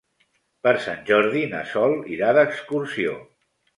Per Sant Jordi na Sol irà d'excursió.